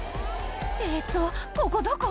えっと、ここどこ？